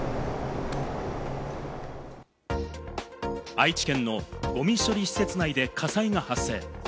愛知県のゴミ処理施設内で火災が発生。